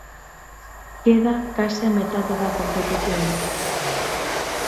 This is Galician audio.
Queda case a metade da competición.